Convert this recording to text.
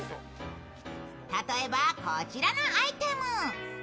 例えば、こちらのアイテム。